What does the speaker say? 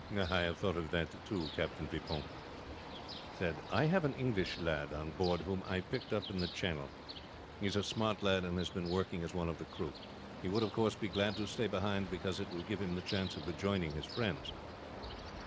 "I have thought of that too," Captain Vipon, said. "I have an English lad on board whom I picked up in the channel. He is a smart lad, and has been working as one of the crew. He would of course be glad to stay behind, because it will give him the chance of rejoining his friends."